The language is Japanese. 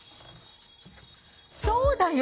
そうだよ。